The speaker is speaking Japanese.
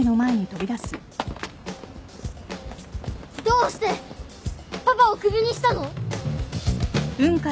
どうしてパパをクビにしたの？